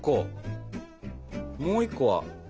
もう１個は？